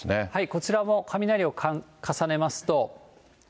こちらも雷を重ねますと。